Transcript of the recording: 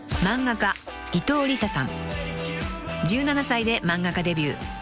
［１７歳で漫画家デビュー］